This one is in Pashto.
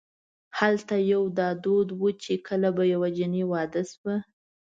هلته یو دا دود و چې کله به یوه جنۍ واده شوه.